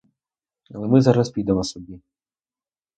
Але ми зараз підемо собі.